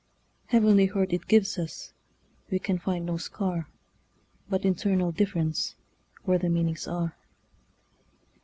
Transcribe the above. Heavenly hurt it gives us; We can find no scar, But internal differenceWhere the meanings are.